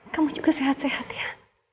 kamu juga sehat sehat ya